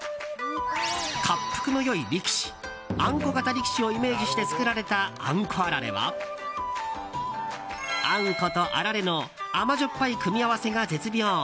恰幅の良い力士あんこ型力士をイメージして作られた、あんこあられはあんことあられの甘じょっぱい組み合わせが絶妙。